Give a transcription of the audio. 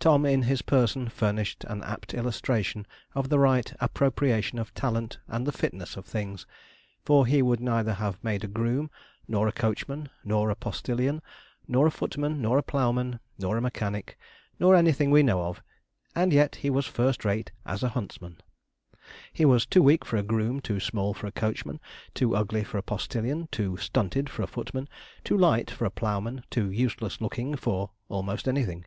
Tom in his person furnished an apt illustration of the right appropriation of talent and the fitness of things, for he would neither have made a groom, nor a coachman, nor a postillion, nor a footman, nor a ploughman, nor a mechanic, nor anything we know of, and yet he was first rate as a huntsman. He was too weak for a groom, too small for a coachman, too ugly for a postillion, too stunted for a footman, too light for a ploughman, too useless looking for almost anything.